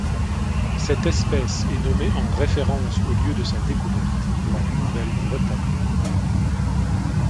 Cette espèce est nommée en référence au lieu de sa découverte, la Nouvelle-Bretagne.